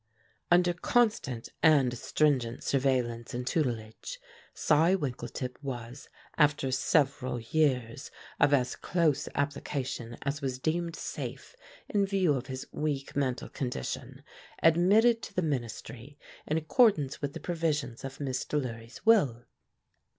Under constant and stringent surveillance and tutelage, Cy Winkletip was, after several years of as close application as was deemed safe in view of his weak mental condition, admitted to the ministry in accordance with the provisions of Miss Delury's will.